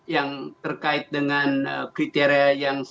yang terkait dengan kriteria yang